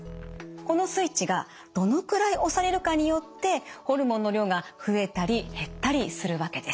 このスイッチがどのくらい押されるかによってホルモンの量が増えたり減ったりするわけです。